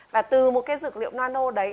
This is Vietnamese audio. và từ một cái dực liệu nano đấy